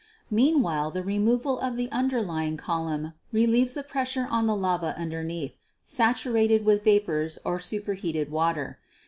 Meanwhile the removal of the overlying column relieves the pressure on the lava underneath, saturated with vapors or superheated water.